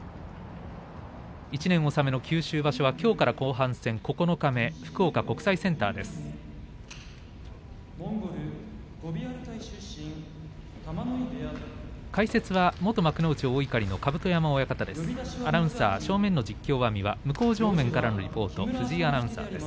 １年納めの九州場所きょうから後半戦です、九日目福岡国際センターです。